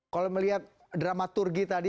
kalau melihat drama turgi tadi